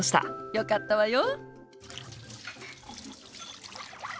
よかったわよ。